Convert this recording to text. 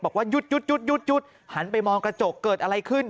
บอกว่าหยุดหันไปมองกระจกเกิดอะไรขึ้น